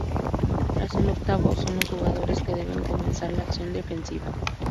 Tras el octavo, son los jugadores que deben comenzar la acción defensiva.